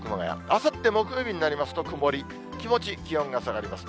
あさって木曜日になりますと、曇り、気持ち気温が下がります。